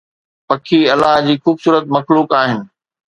پکي الله جي خوبصورت مخلوق آهن